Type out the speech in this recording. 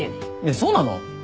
そうなの？